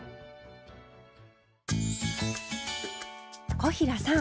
小平さん